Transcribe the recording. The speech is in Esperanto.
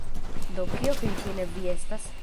Do, kio finfine vi estas?